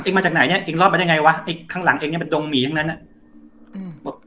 มาจากไหนเนี้ยเองรอดมาได้ไงวะไอ้ข้างหลังเองเนี้ยมันดงหมีทั้งนั้นอ่ะอืม